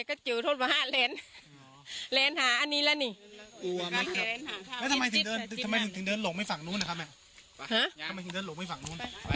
ทำไมถึงเดินหลงไปฝั่งนู้น